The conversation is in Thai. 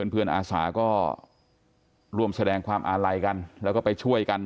เพื่อนอาสาก็ร่วมแสดงความอาลัยกันแล้วก็ไปช่วยกัน